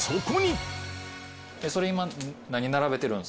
それ今。